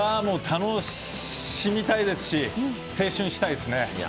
楽しみたいですし青春したいですね。